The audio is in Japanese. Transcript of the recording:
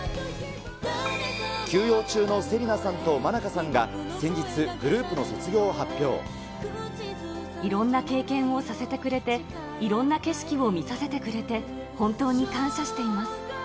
休養中の芹奈さんとｍａｎａｋａさんが先日、グループの卒業を発いろんな経験をさせてくれて、いろんな景色を見させてくれて、本当に感謝しています。